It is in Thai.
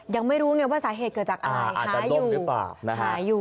ยังไม่รู้ไงว่าสาเหตุเกิดจากอะไรหายุหายุ